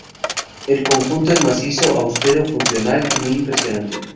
El conjunto es macizo, austero, funcional y muy impresionante.